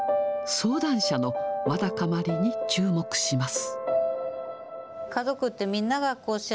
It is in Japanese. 相談者のわだかまりに注目します。